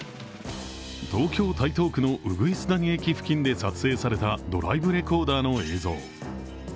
東京・台東区の鶯谷駅付近で撮影されたドライブレコーダーの映像。